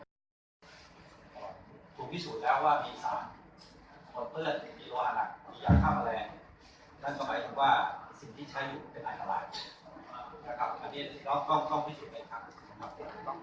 ถูกพิสูจน์แล้วว่ามีสารก่อนเพื่อนอยู่ดีกว่าหลังอย่างทางไรฉะนั้นก็ไม่ว่าสิ่งที่ใช้อยู่ก็เป็นอาหารนะครับอันนี้เราต้องต้องพิสูจน์เป็น